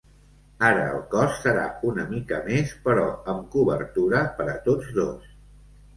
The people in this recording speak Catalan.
Ara el cost serà una mica més, però amb cobertura per a tots dos.